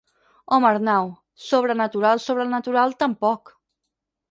Home Arnau, sobrenatural sobrenatural, tampoc...